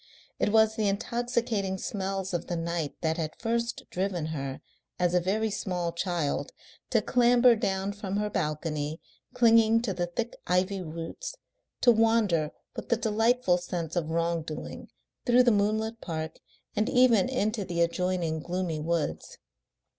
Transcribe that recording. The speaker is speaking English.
It was the intoxicating smells of the night that had first driven her, as a very small child, to clamber down from her balcony, clinging to the thick ivy roots, to wander with the delightful sense of wrong doing through the moonlit park and even into the adjoining gloomy woods.